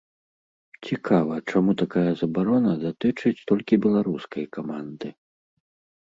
Цікава, чаму такая забарона датычыць толькі беларускай каманды?